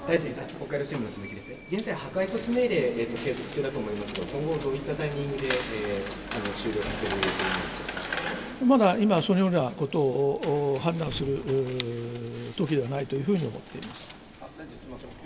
現在、破壊措置命令、継続中だと思いますけれども、今後どういったタイミングで終了させる予まだ今はそのようなことを判断するときではないというふうに思っています。